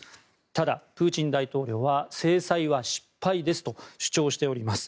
ただ、プーチン大統領は制裁は失敗ですと主張しております。